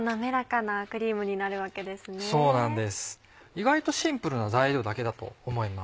意外とシンプルな材料だけだと思います。